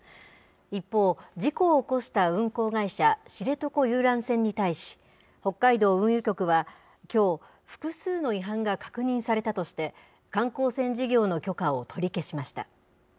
一方、事故を起こした運航会社、知床遊覧船に対し、北海道運輸局はきょう、複数の違反が確認されたとして、観光船事業の許可を取り消しました。